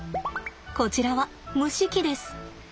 こちらは蒸し器です。